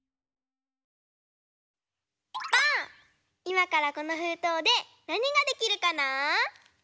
いまからこのふうとうでなにができるかな？